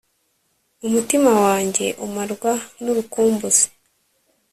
umutima wanjye umarwa n’urukumbuzi